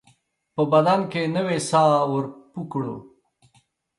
په بدن کې نوې ساه ورپو کړو